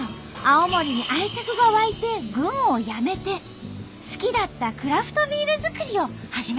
青森に愛着が湧いて軍を辞めて好きだったクラフトビール作りを始めたんだって。